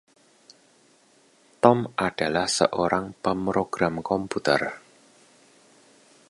Tom adalah seorang pemrogram komputer.